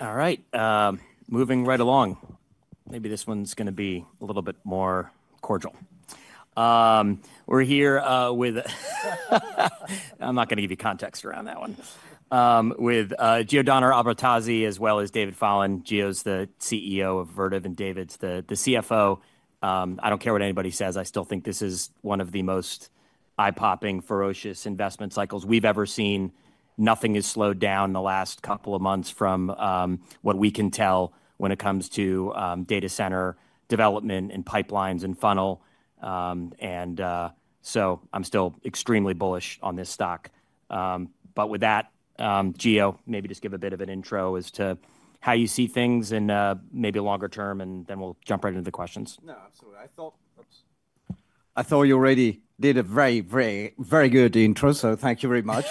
All right, moving right along. Maybe this one's going to be a little bit more cordial. We're here with—I am not going to give you context around that one—with Giordano Albertazzi, as well as David Fallon. Gio's the CEO of Vertiv, and David's the CFO. I do not care what anybody says. I still think this is one of the most eye-popping, ferocious investment cycles we have ever seen. Nothing has slowed down in the last couple of months from what we can tell when it comes to data center development and pipelines and funnel. I am still extremely bullish on this stock. With that, Gio, maybe just give a bit of an intro as to how you see things in maybe a longer term, and then we will jump right into the questions. No, absolutely. I thought you already did a very, very, very good intro, so thank you very much.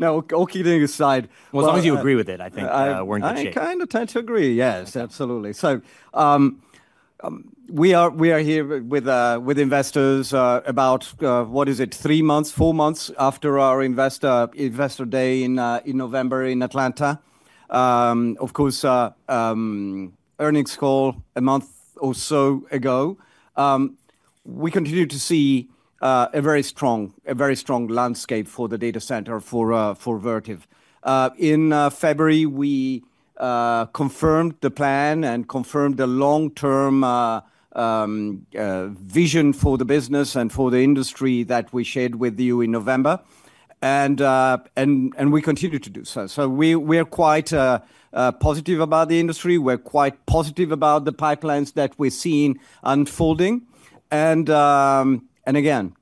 Now, all kidding aside. As long as you agree with it, I think we're in good shape. I kind of tend to agree, yes, absolutely. We are here with investors about—what is it—three months, four months after our Investor Day in November in Atlanta. Of course, earnings call a month or so ago. We continue to see a very strong landscape for the data center for Vertiv. In February, we confirmed the plan and confirmed the long-term vision for the business and for the industry that we shared with you in November. We continue to do so. We are quite positive about the industry. We're quite positive about the pipelines that we're seeing unfolding. Again,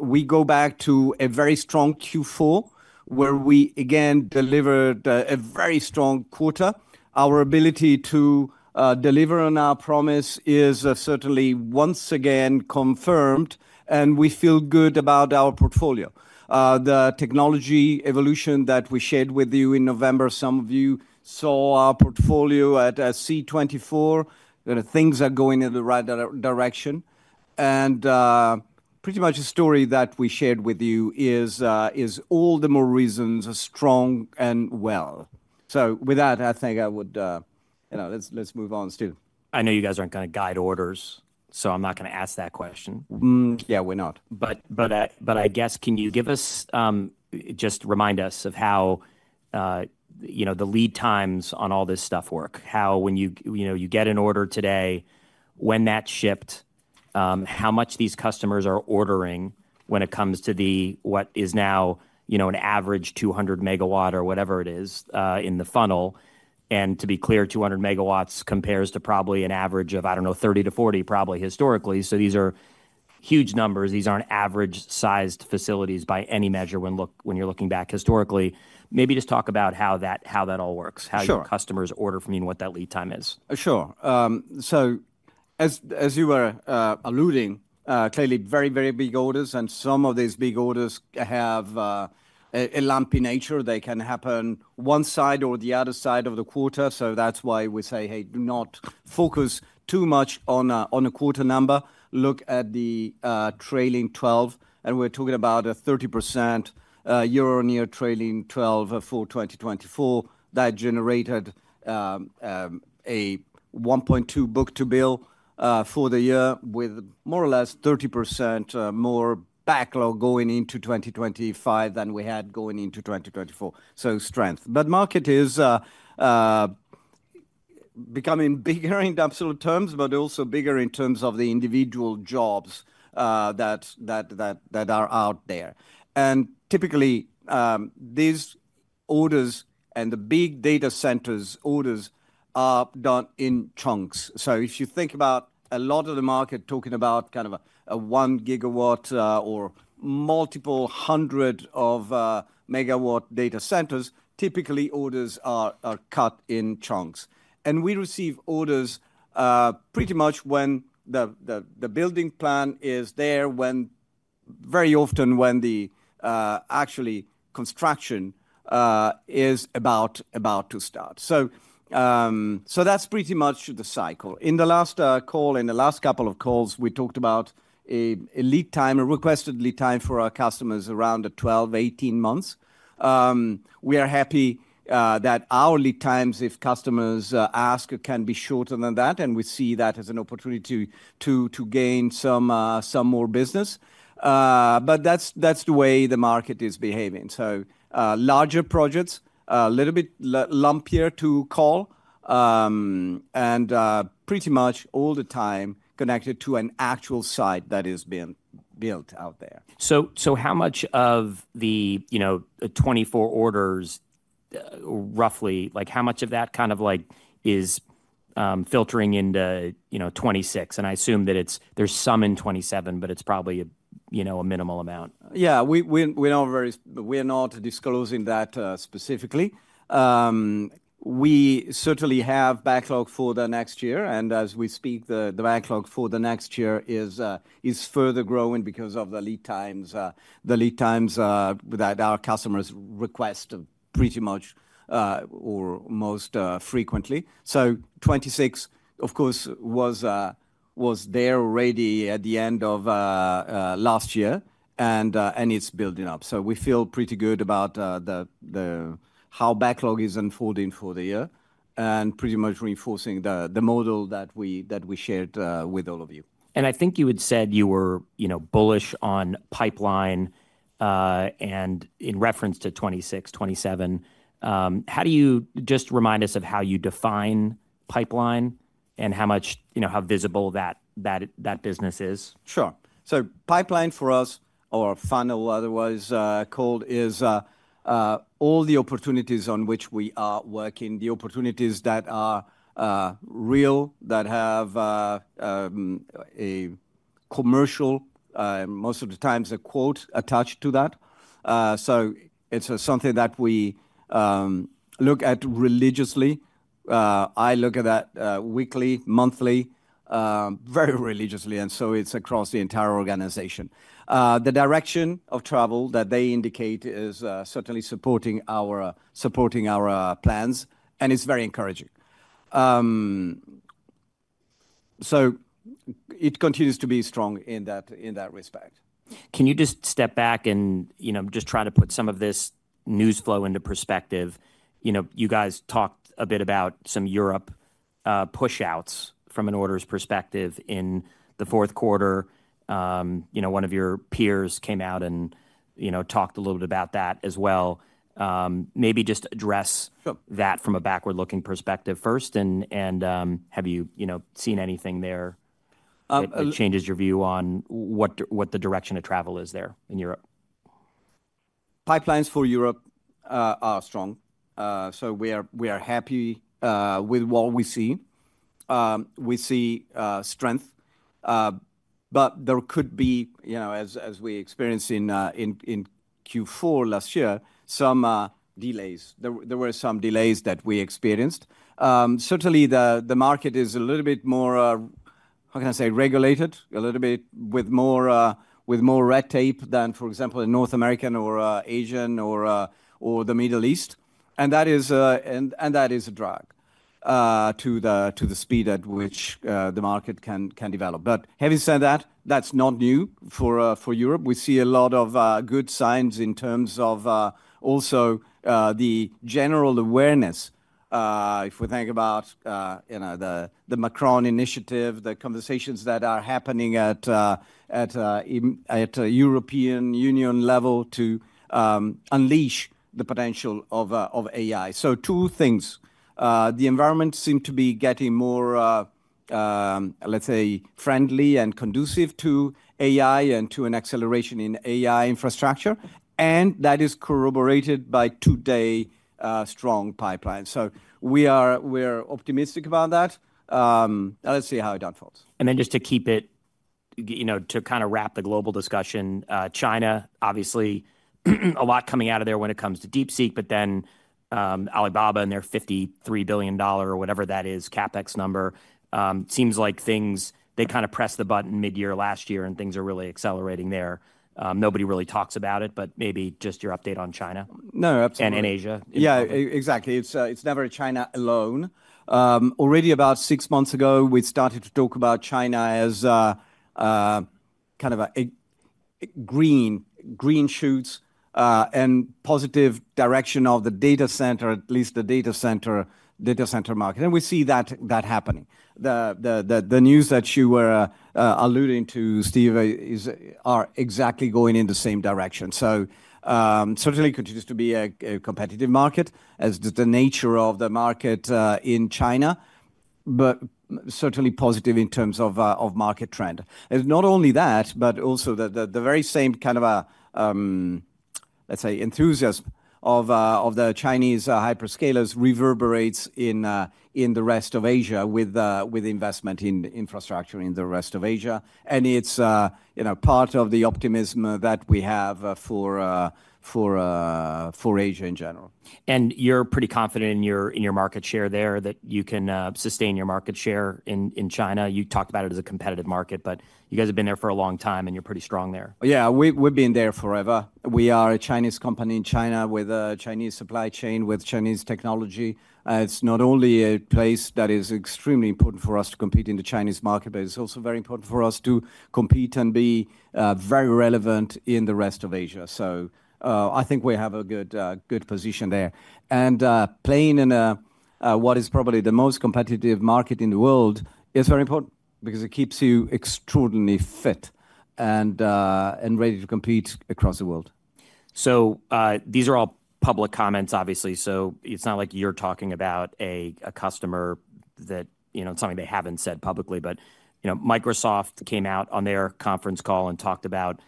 we go back to a very strong Q4, where we again delivered a very strong quarter. Our ability to deliver on our promise is certainly once again confirmed, and we feel good about our portfolio. The technology evolution that we shared with you in November, some of you saw our portfolio at C24. Things are going in the right direction. Pretty much the story that we shared with you is all the more reasons strong and well. With that, I think I would—let's move on, Steve. I know you guys aren't going to guide orders, so I'm not going to ask that question. Yeah, we're not. I guess, can you just remind us of how the lead times on all this stuff work? How when you get an order today, when that's shipped, how much these customers are ordering when it comes to what is now an average 200 megawatt or whatever it is in the funnel? To be clear, 200 megawatts compares to probably an average of, I don't know, 30-40, probably historically. These are huge numbers. These aren't average-sized facilities by any measure when you're looking back historically. Maybe just talk about how that all works, how your customers order from you and what that lead time is. Sure. As you were alluding, clearly very, very big orders. Some of these big orders have a lumpy nature. They can happen one side or the other side of the quarter. That is why we say, hey, do not focus too much on a quarter number. Look at the trailing 12. We are talking about a 30% year-on-year trailing 12 for 2024. That generated a 1.2 book-to-bill for the year with more or less 30% more backlog going into 2025 than we had going into 2024. Strength. The market is becoming bigger in absolute terms, but also bigger in terms of the individual jobs that are out there. Typically, these orders and the big data centers' orders are done in chunks. If you think about a lot of the market talking about kind of a one gigawatt or multiple hundred of megawatt data centers, typically orders are cut in chunks. We receive orders pretty much when the building plan is there, very often when the actual construction is about to start. That is pretty much the cycle. In the last call, in the last couple of calls, we talked about a lead time, a requested lead time for our customers around 12, 18 months. We are happy that our lead times, if customers ask, can be shorter than that. We see that as an opportunity to gain some more business. That is the way the market is behaving. Larger projects, a little bit lumpier to call, and pretty much all the time connected to an actual site that is being built out there. How much of the 24 orders, roughly, how much of that kind of is filtering into 2026? I assume that there's some in 2027, but it's probably a minimal amount. Yeah, we're not disclosing that specifically. We certainly have backlog for the next year. As we speak, the backlog for the next year is further growing because of the lead times that our customers request pretty much or most frequently. Twenty-six, of course, was there already at the end of last year, and it's building up. We feel pretty good about how backlog is unfolding for the year and pretty much reinforcing the model that we shared with all of you. I think you had said you were bullish on pipeline and in reference to 2026, 2027. How do you just remind us of how you define pipeline and how visible that business is? Sure. Pipeline for us, or funnel otherwise called, is all the opportunities on which we are working, the opportunities that are real, that have a commercial, most of the times a quote, attached to that. It is something that we look at religiously. I look at that weekly, monthly, very religiously. It is across the entire organization. The direction of travel that they indicate is certainly supporting our plans, and it is very encouraging. It continues to be strong in that respect. Can you just step back and just try to put some of this news flow into perspective? You guys talked a bit about some Europe push-outs from an order's perspective in the fourth quarter. One of your peers came out and talked a little bit about that as well. Maybe just address that from a backward-looking perspective first. Have you seen anything there that changes your view on what the direction of travel is there in Europe? Pipelines for Europe are strong. We are happy with what we see. We see strength. There could be, as we experienced in Q4 last year, some delays. There were some delays that we experienced. Certainly, the market is a little bit more, how can I say, regulated, a little bit with more red tape than, for example, in North America or Asia or the Middle East. That is a drag to the speed at which the market can develop. Having said that, that's not new for Europe. We see a lot of good signs in terms of also the general awareness, if we think about the Macron initiative, the conversations that are happening at the European Union level to unleash the potential of AI. Two things. The environment seemed to be getting more, let's say, friendly and conducive to AI and to an acceleration in AI infrastructure. That is corroborated by today's strong pipeline. We are optimistic about that. Let's see how it unfolds. To kind of wrap the global discussion, China, obviously, a lot coming out of there when it comes to DeepSeek, but then Alibaba and their $53 billion or whatever that is, CapEx number, seems like things they kind of pressed the button mid-year last year, and things are really accelerating there. Nobody really talks about it, but maybe just your update on China and Asia. No, absolutely. Yeah, exactly. It's never China alone. Already about six months ago, we started to talk about China as kind of a green shoots and positive direction of the data center, at least the data center market. We see that happening. The news that you were alluding to, Steve, are exactly going in the same direction. Certainly, it continues to be a competitive market, as is the nature of the market in China, but certainly positive in terms of market trend. Not only that, but also the very same kind of, let's say, enthusiasm of the Chinese hyperscalers reverberates in the rest of Asia with investment in infrastructure in the rest of Asia. It's part of the optimism that we have for Asia in general. You're pretty confident in your market share there, that you can sustain your market share in China. You talked about it as a competitive market, but you guys have been there for a long time, and you're pretty strong there. Yeah, we've been there forever. We are a Chinese company in China with a Chinese supply chain, with Chinese technology. It's not only a place that is extremely important for us to compete in the Chinese market, but it's also very important for us to compete and be very relevant in the rest of Asia. I think we have a good position there. Playing in what is probably the most competitive market in the world is very important because it keeps you extraordinarily fit and ready to compete across the world. These are all public comments, obviously. It is not like you are talking about a customer that it is something they have not said publicly. Microsoft came out on their conference call and talked about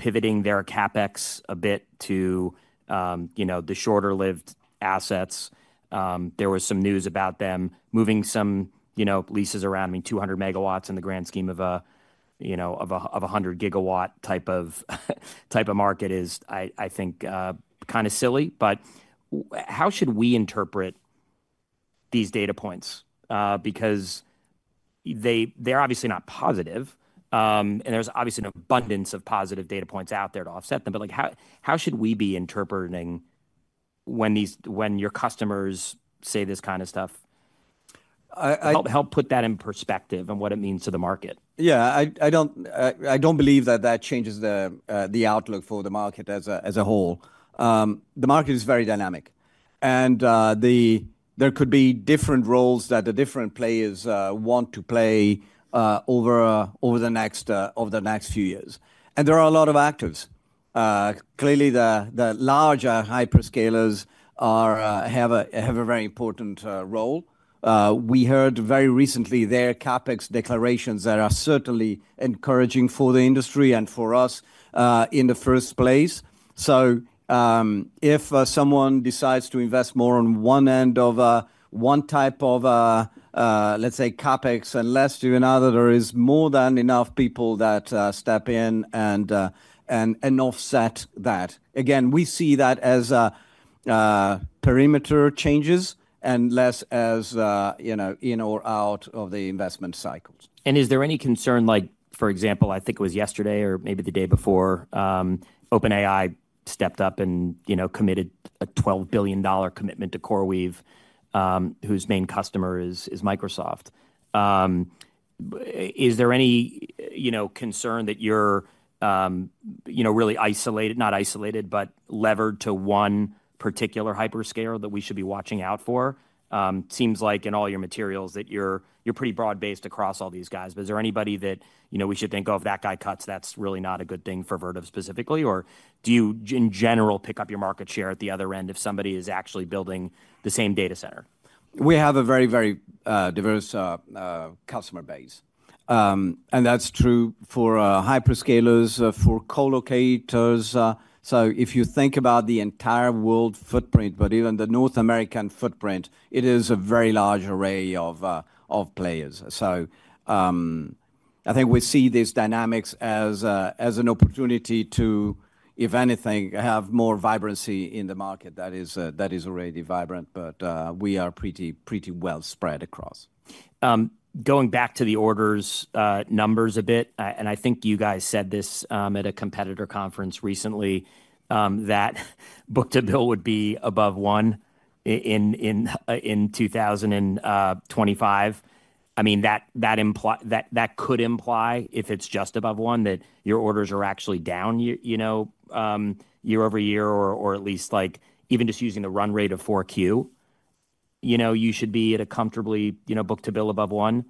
pivoting their CapEx a bit to the shorter-lived assets. There was some news about them moving some leases around, I mean, 200 megawatts in the grand scheme of a 100-gigawatt type of market is, I think, kind of silly. How should we interpret these data points? They are obviously not positive. There is obviously an abundance of positive data points out there to offset them. How should we be interpreting when your customers say this kind of stuff? Help put that in perspective and what it means to the market. Yeah, I don't believe that that changes the outlook for the market as a whole. The market is very dynamic. There could be different roles that the different players want to play over the next few years. There are a lot of actors. Clearly, the larger hyperscalers have a very important role. We heard very recently their CapEx declarations that are certainly encouraging for the industry and for us in the first place. If someone decides to invest more on one end of one type of, let's say, CapEx and less do another, there is more than enough people that step in and offset that. Again, we see that as perimeter changes and less as in or out of the investment cycles. Is there any concern, like, for example, I think it was yesterday or maybe the day before, OpenAI stepped up and committed a $12 billion commitment to CoreWeave, whose main customer is Microsoft? Is there any concern that you're really isolated, not isolated, but levered to one particular hyperscaler that we should be watching out for? It seems like in all your materials that you're pretty broad-based across all these guys. Is there anybody that we should think, oh, if that guy cuts, that's really not a good thing for Vertiv specifically? Do you, in general, pick up your market share at the other end if somebody is actually building the same data center? We have a very, very diverse customer base. That is true for hyperscalers, for co-locators. If you think about the entire world footprint, but even the North American footprint, it is a very large array of players. I think we see these dynamics as an opportunity to, if anything, have more vibrancy in the market. That is already vibrant, but we are pretty well spread across. Going back to the orders numbers a bit, and I think you guys said this at a competitor conference recently, that book to bill would be above one in 2025. I mean, that could imply, if it's just above one, that your orders are actually down year over year, or at least even just using the run rate of Q4, you should be at a comfortably book to bill above one.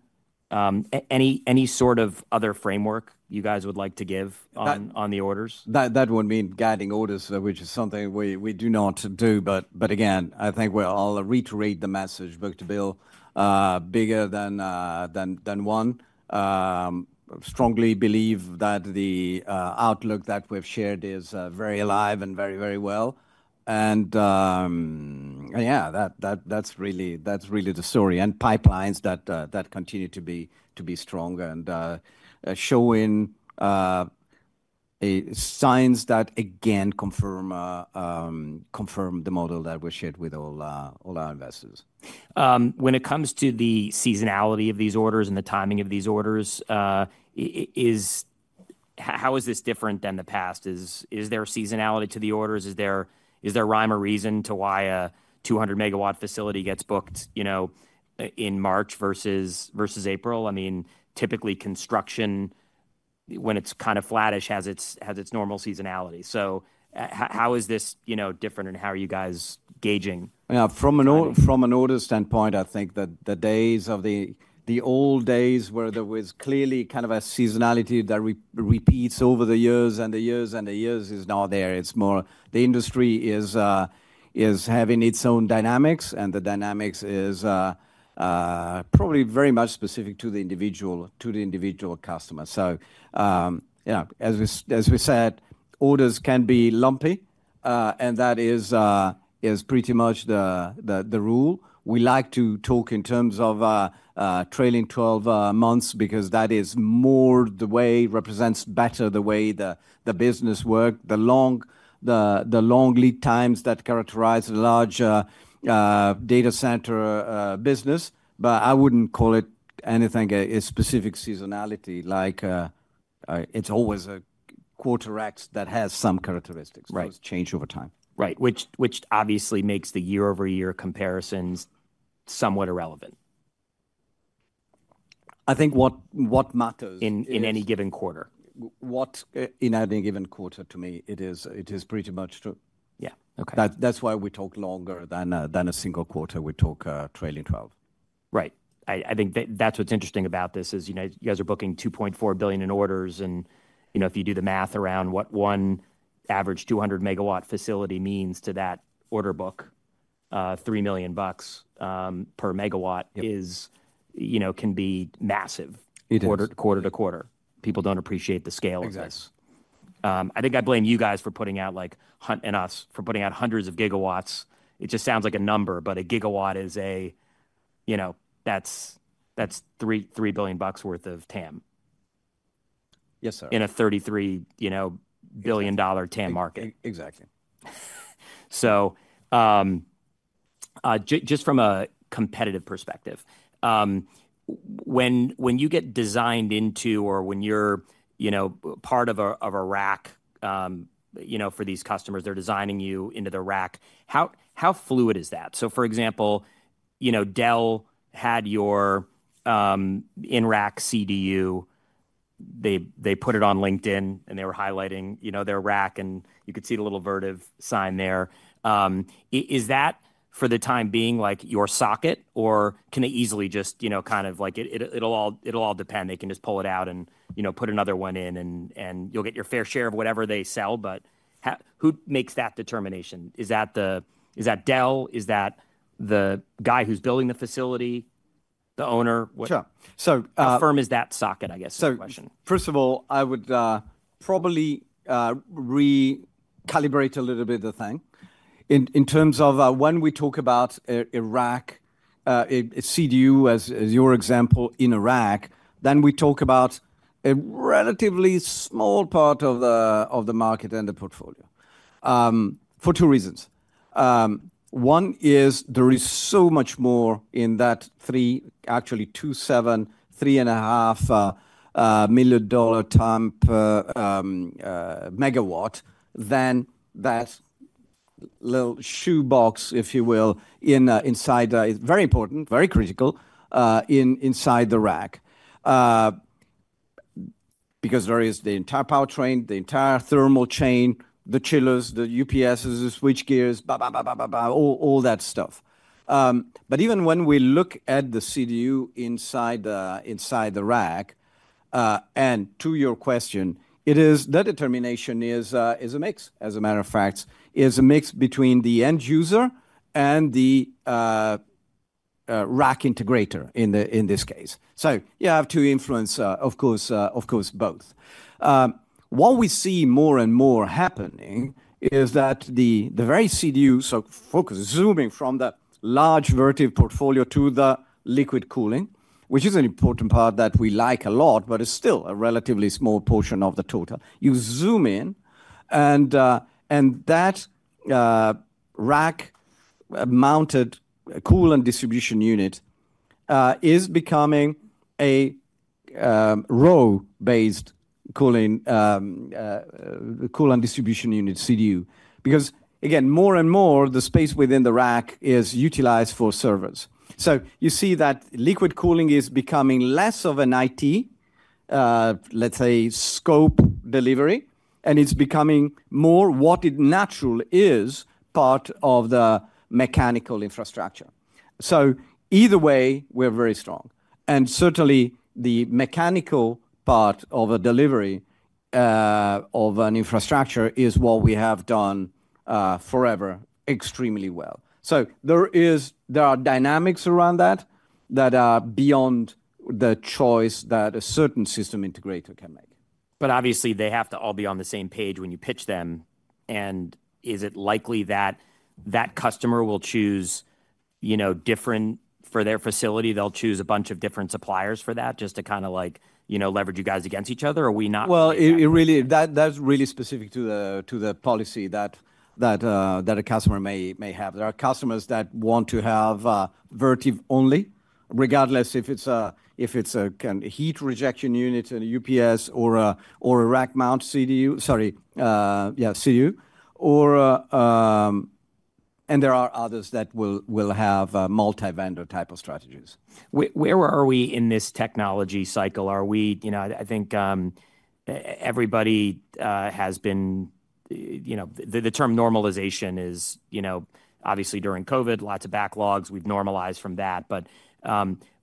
Any sort of other framework you guys would like to give on the orders? That would mean guiding orders, which is something we do not do. Again, I think we're all reiterating the message, book to bill bigger than one. Strongly believe that the outlook that we've shared is very alive and very, very well. Yeah, that's really the story. Pipelines that continue to be strong and showing signs that, again, confirm the model that we shared with all our investors. When it comes to the seasonality of these orders and the timing of these orders, how is this different than the past? Is there seasonality to the orders? Is there rhyme or reason to why a 200-megawatt facility gets booked in March versus April? I mean, typically, construction, when it's kind of flattish, has its normal seasonality. How is this different, and how are you guys gauging? From an order standpoint, I think that the days of the old days where there was clearly kind of a seasonality that repeats over the years and the years and the years is not there. It's more the industry is having its own dynamics, and the dynamics is probably very much specific to the individual customer. So yeah, as we said, orders can be lumpy, and that is pretty much the rule. We like to talk in terms of trailing 12 months because that is more the way represents better the way the business worked, the long lead times that characterize a larger data center business. I wouldn't call it anything a specific seasonality. It's always a quarter X that has some characteristics that change over time. Right, which obviously makes the year-over-year comparisons somewhat irrelevant. I think what matters. In any given quarter. In any given quarter, to me, it is pretty much true. Yeah. That's why we talk longer than a single quarter. We talk trailing 12. Right. I think that's what's interesting about this is you guys are booking $2.4 billion in orders. And if you do the math around what one average 200-megawatt facility means to that order book, $3 million per megawatt can be massive quarter to quarter. People don't appreciate the scale of this. I think I blame you guys for putting out, like Hunt and us, for putting out hundreds of gigawatts. It just sounds like a number, but a gigawatt is a, that's $3 billion worth of TAM. Yes, sir. In a $33 billion TAM market. Exactly. Just from a competitive perspective, when you get designed into or when you're part of a rack for these customers, they're designing you into the rack, how fluid is that? For example, Dell had your in-rack CDU. They put it on LinkedIn, and they were highlighting their rack, and you could see the little Vertiv sign there. Is that, for the time being, like your socket, or can they easily just kind of like, it'll all depend. They can just pull it out and put another one in, and you'll get your fair share of whatever they sell. Who makes that determination? Is that Dell? Is that the guy who's building the facility, the owner? Sure. How firm is that socket, I guess, is the question. First of all, I would probably recalibrate a little bit the thing. In terms of when we talk about a rack, a CDU, as your example in a rack, then we talk about a relatively small part of the market and the portfolio for two reasons. One is there is so much more in that three, actually $2.7 million-$3.5 million TAM per megawatt than that little shoe box, if you will, inside is very important, very critical inside the rack because there is the entire powertrain, the entire thermal chain, the chillers, the UPSs, the switchgear, blah, blah, blah, blah, blah, all that stuff. Even when we look at the CDU inside the rack, and to your question, the determination is a mix. As a matter of fact, it is a mix between the end user and the rack integrator in this case. You have to influence, of course, both. What we see more and more happening is that the very CDU, so focus zooming from the large Vertiv portfolio to the liquid cooling, which is an important part that we like a lot, but it's still a relatively small portion of the total. You zoom in, and that rack-mounted coolant distribution unit is becoming a row-based coolant distribution unit CDU because, again, more and more, the space within the rack is utilized for servers. You see that liquid cooling is becoming less of an IT, let's say, scope delivery, and it's becoming more what it naturally is, part of the mechanical infrastructure. Either way, we're very strong. Certainly, the mechanical part of a delivery of an infrastructure is what we have done forever extremely well. There are dynamics around that that are beyond the choice that a certain system integrator can make. Obviously, they have to all be on the same page when you pitch them. Is it likely that that customer will choose different for their facility? They'll choose a bunch of different suppliers for that just to kind of like leverage you guys against each other? Are we not? That's really specific to the policy that a customer may have. There are customers that want to have Vertiv only, regardless if it's a heat rejection unit and a UPS or a rack-mounted CDU, sorry, yeah, CDU. There are others that will have multi-vendor type of strategies. Where are we in this technology cycle? I think everybody has been, the term normalization is obviously during COVID, lots of backlogs. We have normalized from that.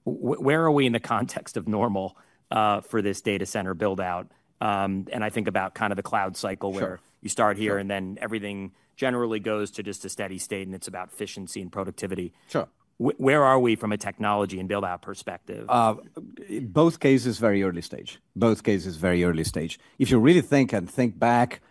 Where are we in the context of normal for this data center buildout? I think about kind of the cloud cycle where you start here, and then everything generally goes to just a steady state, and it is about efficiency and productivity. Where are we from a technology and buildout perspective? Both cases very early stage. Both cases very early stage. If you really think and think back,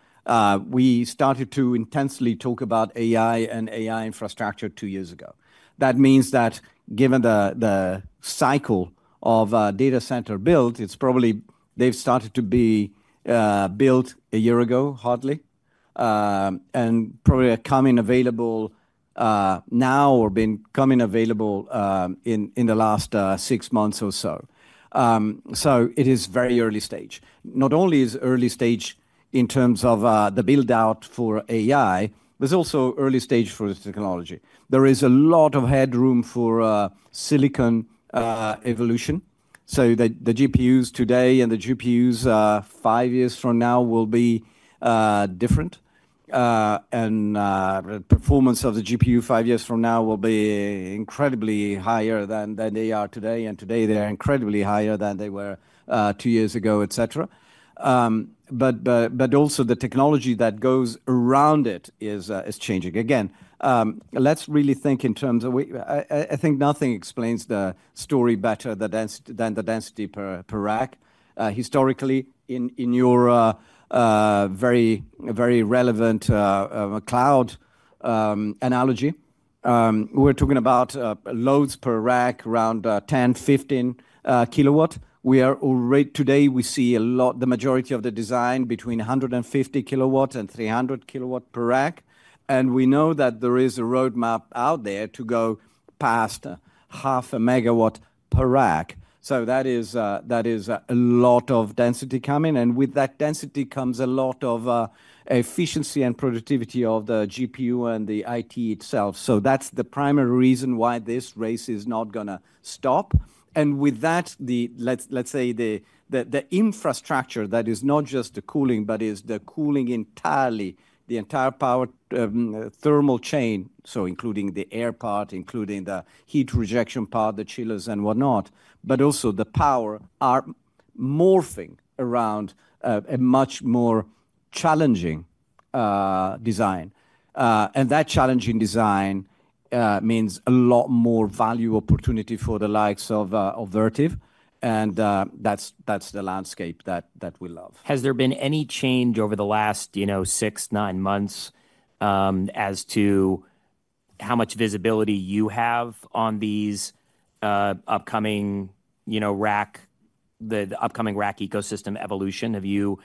we started to intensely talk about AI and AI infrastructure two years ago. That means that given the cycle of data center build, it's probably they've started to be built a year ago, hardly, and probably are coming available now or been coming available in the last six months or so. It is very early stage. Not only is early stage in terms of the buildout for AI, there's also early stage for this technology. There is a lot of headroom for silicon evolution. The GPUs today and the GPUs five years from now will be different. Performance of the GPU five years from now will be incredibly higher than they are today. Today, they are incredibly higher than they were two years ago, et cetera. Also, the technology that goes around it is changing. Again, let's really think in terms of I think nothing explains the story better than the density per rack. Historically, in your very relevant cloud analogy, we're talking about loads per rack around 10, 15 kilowatts. Today, we see the majority of the design between 150 kilowatts and 300 kilowatts per rack. We know that there is a roadmap out there to go past 500 kilowatts per rack. That is a lot of density coming. With that density comes a lot of efficiency and productivity of the GPU and the IT itself. That's the primary reason why this race is not going to stop. Let's say the infrastructure that is not just the cooling, but is the cooling entirely, the entire thermal chain, so including the air part, including the heat rejection part, the chillers, and whatnot, but also the power are morphing around a much more challenging design. That challenging design means a lot more value opportunity for the likes of Vertiv. That is the landscape that we love. Has there been any change over the last six, nine months as to how much visibility you have on these upcoming rack ecosystem evolution?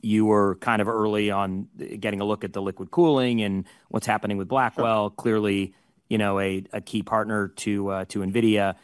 You were kind of early on getting a look at the liquid cooling and what's happening with Blackwell. Clearly, a key partner to NVIDIA.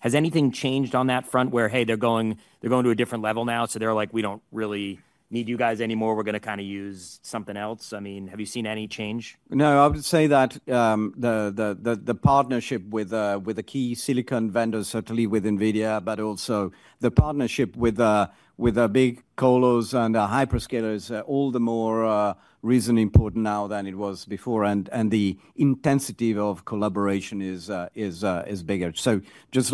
Has anything changed on that front where, hey, they're going to a different level now, so they're like, we don't really need you guys anymore. We're going to kind of use something else? I mean, have you seen any change? No, I would say that the partnership with the key silicon vendors, certainly with NVIDIA, but also the partnership with the big colos and the hyperscalers are all the more reasonably important now than it was before. The intensity of collaboration is bigger. Just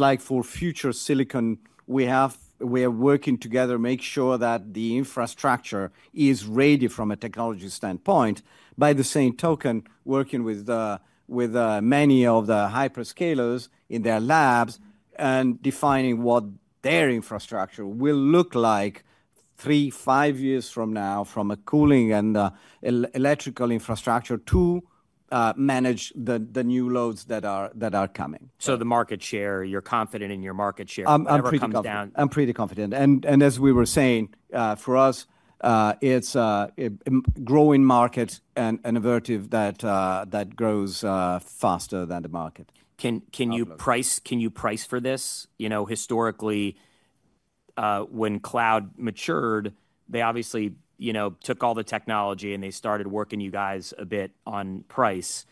like for future silicon, we are working together to make sure that the infrastructure is ready from a technology standpoint. By the same token, working with many of the hyperscalers in their labs and defining what their infrastructure will look like three, five years from now from a cooling and electrical infrastructure to manage the new loads that are coming. Are you confident in your market share when it comes down? I'm pretty confident. As we were saying, for us, it's a growing market and a Vertiv that grows faster than the market. Can you price for this? Historically, when cloud matured, they obviously took all the technology, and they started working you guys a bit on price.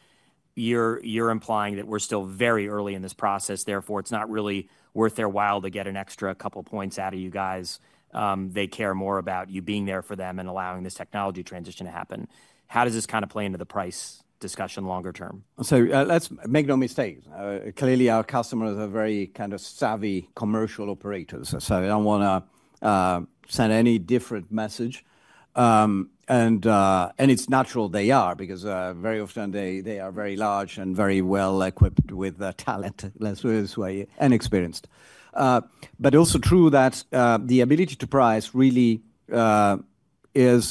You're implying that we're still very early in this process. Therefore, it's not really worth their while to get an extra couple of points out of you guys. They care more about you being there for them and allowing this technology transition to happen. How does this kind of play into the price discussion longer term? Let's make no mistake. Clearly, our customers are very kind of savvy commercial operators. I don't want to send any different message. It is natural they are because very often they are very large and very well equipped with talent, let's put it this way, and experienced. It is also true that the ability to price really is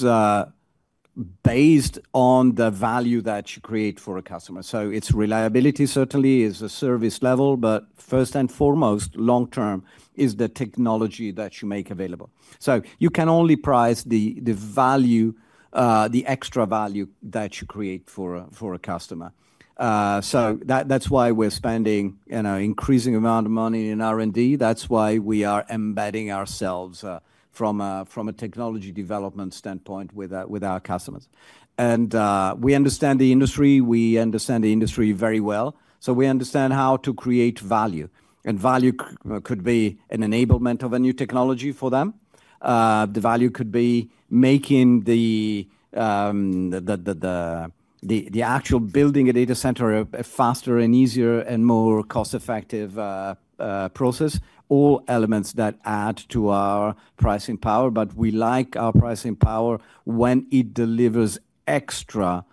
based on the value that you create for a customer. Its reliability, certainly, is a service level. First and foremost, long term, is the technology that you make available. You can only price the extra value that you create for a customer. That is why we're spending an increasing amount of money in R&D. That is why we are embedding ourselves from a technology development standpoint with our customers. We understand the industry. We understand the industry very well. We understand how to create value. Value could be an enablement of a new technology for them. The value could be making the actual building a data center a faster and easier and more cost-effective process, all elements that add to our pricing power. We like our pricing power when it delivers extra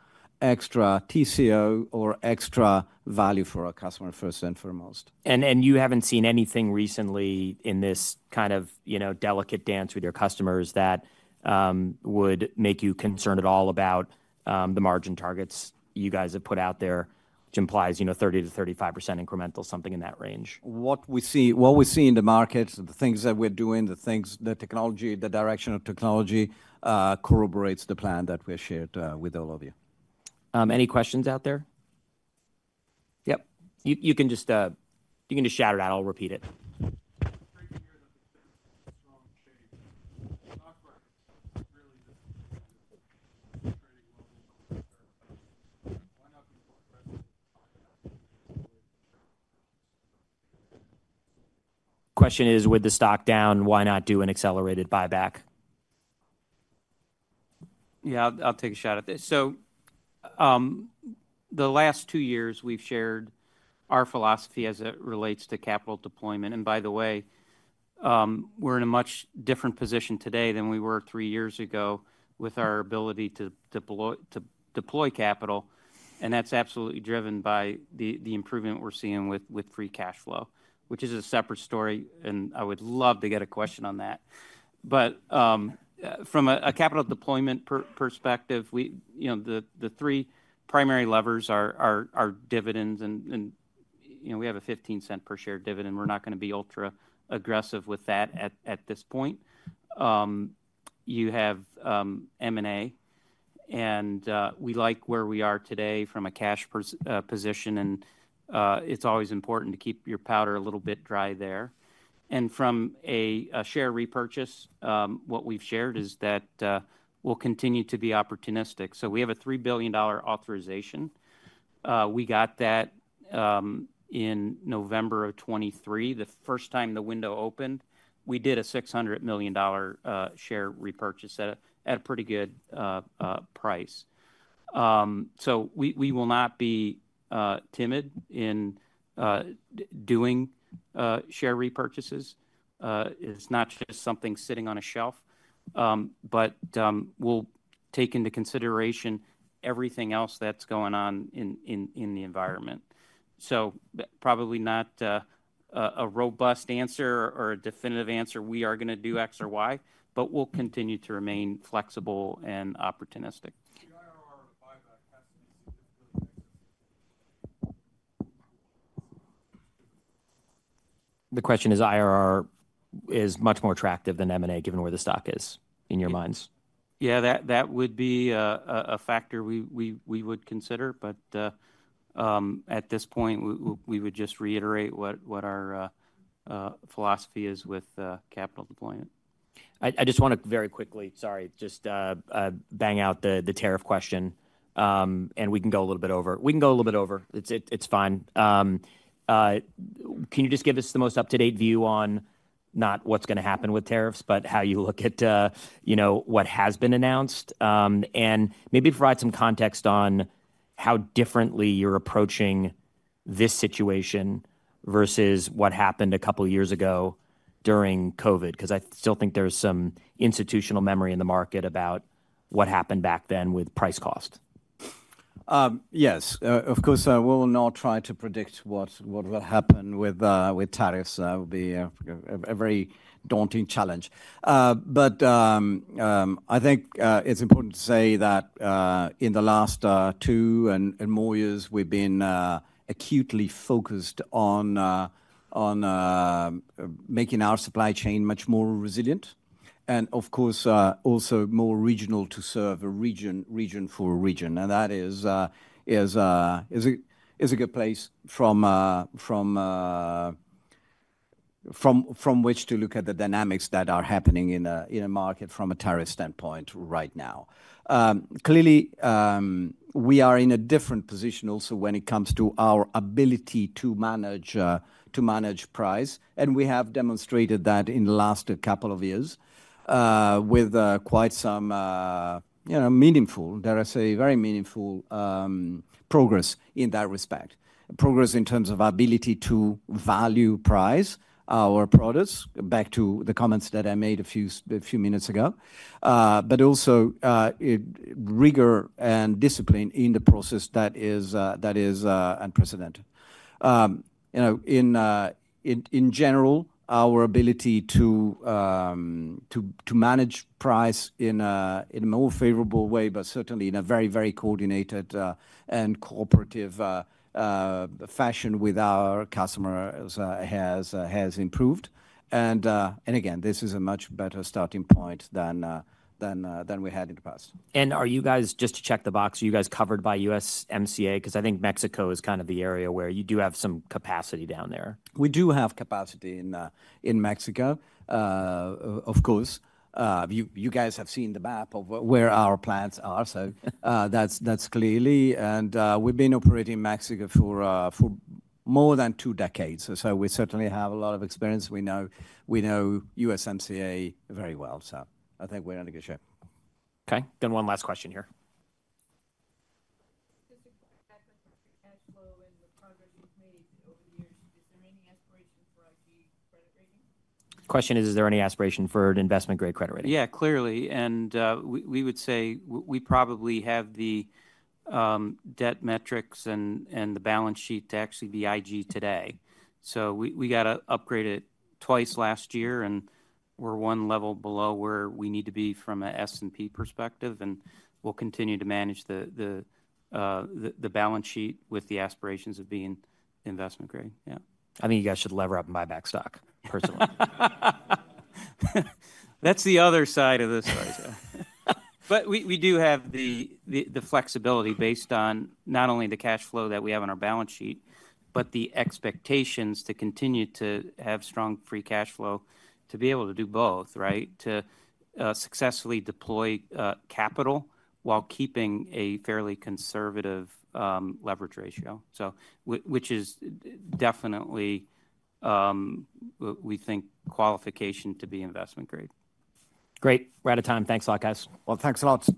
TCO or extra value for our customer, first and foremost. You have not seen anything recently in this kind of delicate dance with your customers that would make you concerned at all about the margin targets you guys have put out there, which implies 30%-35% incremental, something in that range? What we see in the market, the things that we're doing, the technology, the direction of technology corroborates the plan that we've shared with all of you. Any questions out there? Yep. You can just shatter that. I'll repeat it. Question is, with the stock down, why not do an accelerated buyback? Yeah, I'll take a shot at this. The last two years, we've shared our philosophy as it relates to capital deployment. By the way, we're in a much different position today than we were three years ago with our ability to deploy capital. That's absolutely driven by the improvement we're seeing with free cash flow, which is a separate story. I would love to get a question on that. From a capital deployment perspective, the three primary levers are dividends. We have a $0.15 per share dividend. We're not going to be ultra-aggressive with that at this point. You have M&A. We like where we are today from a cash position. It's always important to keep your powder a little bit dry there. From a share repurchase, what we've shared is that we'll continue to be opportunistic. We have a $3 billion authorization. We got that in November of 2023, the first time the window opened. We did a $600 million share repurchase at a pretty good price. We will not be timid in doing share repurchases. It is not just something sitting on a shelf. We will take into consideration everything else that is going on in the environment. Probably not a robust answer or a definitive answer. We are not going to do X or Y, but we will continue to remain flexible and opportunistic. The question is, IRR is much more attractive than M&A given where the stock is in your minds? Yeah, that would be a factor we would consider. At this point, we would just reiterate what our philosophy is with capital deployment. I just want to very quickly, sorry, just bang out the tariff question. We can go a little bit over. It's fine. Can you just give us the most up-to-date view on not what's going to happen with tariffs, but how you look at what has been announced? Maybe provide some context on how differently you're approaching this situation versus what happened a couple of years ago during COVID, because I still think there's some institutional memory in the market about what happened back then with price cost. Yes. Of course, we will not try to predict what will happen with tariffs. That will be a very daunting challenge. I think it's important to say that in the last two and more years, we've been acutely focused on making our supply chain much more resilient. Of course, also more regional to serve a region for a region. That is a good place from which to look at the dynamics that are happening in a market from a tariff standpoint right now. Clearly, we are in a different position also when it comes to our ability to manage price. We have demonstrated that in the last couple of years with quite some meaningful, there is a very meaningful progress in that respect, progress in terms of our ability to value price our products, back to the comments that I made a few minutes ago, but also rigor and discipline in the process that is unprecedented. In general, our ability to manage price in a more favorable way, but certainly in a very, very coordinated and cooperative fashion with our customers has improved. Again, this is a much better starting point than we had in the past. Are you guys, just to check the box, are you guys covered by USMCA? Because I think Mexico is kind of the area where you do have some capacity down there. We do have capacity in Mexico, of course. You guys have seen the map of where our plants are. That is clear. We have been operating in Mexico for more than two decades. We certainly have a lot of experience. We know USMCA very well. I think we are in good shape. Okay. Then one last question here. Specifically with free cash flow and the progress you've made over the years, is there any aspiration for IG credit rating? Question is, is there any aspiration for an investment-grade credit rating? Yeah, clearly. We would say we probably have the debt metrics and the balance sheet to actually be IG today. We got upgraded twice last year. We are one level below where we need to be from an S&P perspective. We will continue to manage the balance sheet with the aspirations of being investment-grade. Yeah. I think you guys should lever up and buy back stock, personally. That's the other side of this right here. We do have the flexibility based on not only the cash flow that we have on our balance sheet, but the expectations to continue to have strong free cash flow to be able to do both, right, to successfully deploy capital while keeping a fairly conservative leverage ratio, which is definitely, we think, qualification to be investment-grade. Great. We're out of time. Thanks a lot, guys. Thanks a lot.